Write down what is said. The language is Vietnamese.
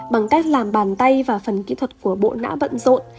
bằng cách làm bàn tay và phần kỹ thuật của bộ não ăn rộn